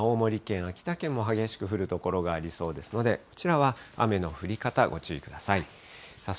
また午後は青森県、秋田県も激しく降る所がありそうですので、こちらは雨の降り方、ご注意ください。